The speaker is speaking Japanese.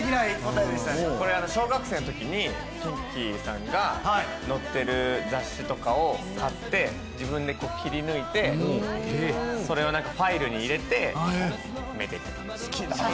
これ小学生のときにＫｉｎＫｉさんが載ってる雑誌とかを買って自分で切り抜いてそれをファイルに入れてめでてたっていう。